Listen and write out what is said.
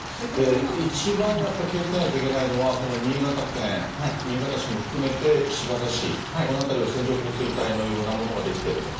一番やっぱり気をつけなきゃいけないのは、新潟県、新潟市も含めて新発田市、この辺りは線状降水帯のようなものが出来ていると。